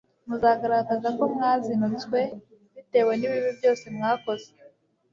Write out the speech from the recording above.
muzagaragaza ko mwazinutswe bitewe n'ibibi byose mwakoze